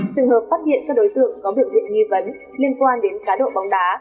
trường hợp phát hiện các đối tượng có biểu hiện nghi vấn liên quan đến cá độ bóng đá